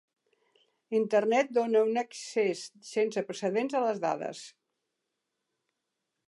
Internet dóna un accés sense precedent a les dades.